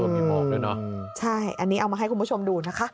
มีหมอกด้วยเนอะใช่อันนี้เอามาให้คุณผู้ชมดูนะคะ